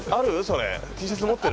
それ。